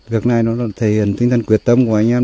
việc này nó thể hiện tinh thần quyết tâm của anh em